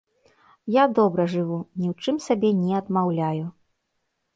Я добра жыву, ні ў чым сабе не адмаўляю.